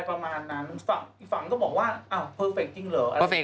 การเปลี่ยน